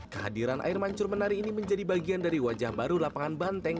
kehadiran air mancur menari ini menjadi bagian dari wajah baru lapangan banteng